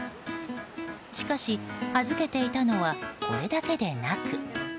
しかし預けていたのはこれだけでなく。